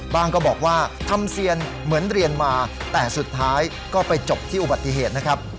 ก็บอกว่าทำเซียนเหมือนเรียนมาแต่สุดท้ายก็ไปจบที่อุบัติเหตุนะครับ